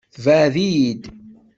Tbeɛ-iyi-d.